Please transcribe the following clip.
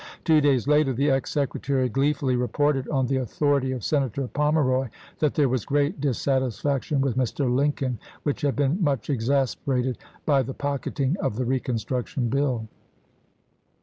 Two days later the ex Secretary gleefully reported, on the authority of Senator Pomeroy, that there was great dissatis faction with Mr. Lincoln, which had been much exasperated by the pocketing of the reconstruction bill.